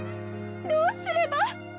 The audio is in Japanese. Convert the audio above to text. どうすれば。